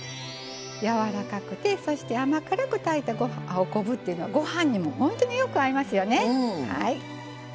やわらかくてそして甘辛く炊いたお昆布というのはご飯にもほんとによく合いますよね。